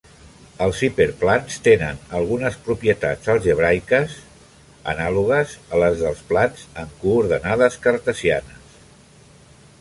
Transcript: Els hiperplans tenen algunes propietats algèbriques anàlogues a les dels plans en coordenades cartesianes.